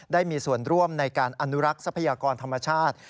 ได้มีส่วนร่วมในการอนุรักษ์ทรัพยากรธรรมชาติ